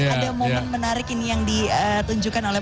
ada momen menarik ini yang ditunjukkan oleh